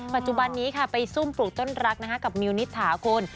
ปัจจุบันนี้ค่ะไปซุ่มปลูกต้นรักกับมิวนิษฐาคุณ